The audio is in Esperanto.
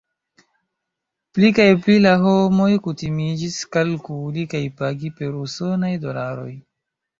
Pli kaj pli la homoj kutimiĝis kalkuli kaj pagi per usonaj dolaroj.